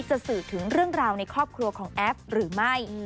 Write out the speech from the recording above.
สื่อถึงเรื่องราวในครอบครัวของแอฟหรือไม่